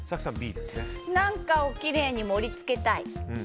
何かをきれいに盛り付けたい。